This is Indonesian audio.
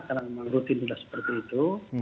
karena memang rutin sudah seperti itu